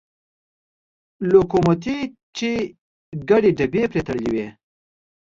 لوکوموتیو چې ګڼې ډبې پرې تړلې وې.